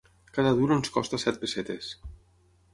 Cada duro ens costa set pessetes.